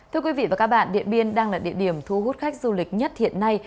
thưa quý vị và các bạn điện biên đang là địa điểm thu hút khách du lịch nhất hiện nay